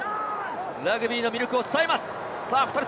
ラグビーの魅力を伝えます。